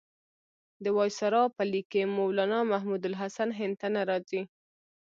د وایسرا په لیک کې مولنا محمودالحسن هند ته نه راځي.